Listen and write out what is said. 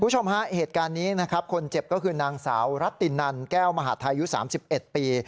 เหตุการณ์นี้คนเจ็บก็คือนางสาวรัตินันแก้วมหาธายุ๓๑ปี